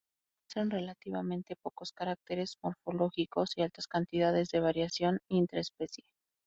Muestran relativamente pocos caracteres morfológicos y altas cantidades de variación intra-especie.